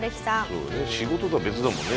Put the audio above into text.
そうだよね仕事とは別だもんね